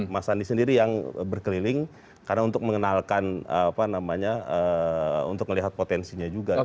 mas andi sendiri yang berkeliling karena untuk mengenalkan apa namanya untuk melihat potensinya juga